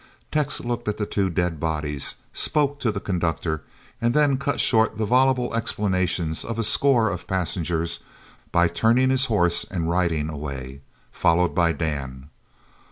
Tex looked at the two dead bodies, spoke to the conductor, and then cut short the voluble explanations of a score of passengers by turning his horse and riding away, followed by Dan.